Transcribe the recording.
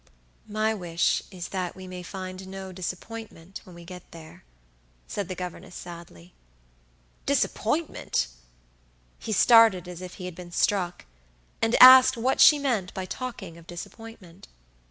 "My wish is that we may find no disappointment when we get there," said the governess, sadly. "Disappointment!" He started as if he had been struck, and asked what she meant by talking of disappointment.